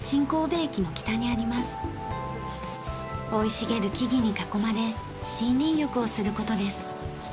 生い茂る木々に囲まれ森林浴をする事です。